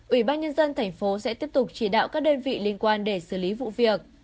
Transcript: ủy ban nhân dân tp sẽ tiếp tục chỉ đạo các đơn vị liên quan để xử lý vụ việc